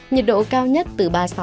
nhiệt độ cao nhất từ ba mươi sáu độ